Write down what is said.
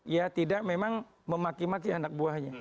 ya tidak memang memaki maki anak buahnya